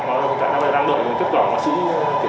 và tại sao bây giờ đang đợi kết quả xử lý kiểm tra lại như thế này